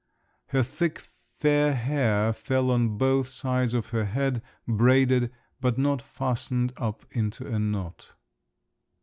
Her thick fair hair fell on both sides of her head, braided, but not fastened up into a knot.